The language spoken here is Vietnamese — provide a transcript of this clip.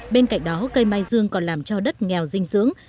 bên cạnh đó cây mai dương còn làm cho đất nghèo dinh dưỡng